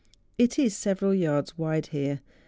It is several yards wide here.